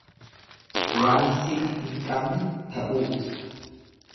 Waan siqa hin qabne ta'uu ibsa.